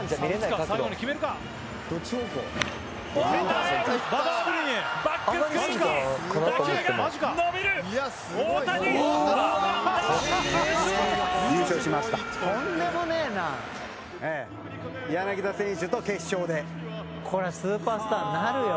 武井：これはスーパースターになるよ。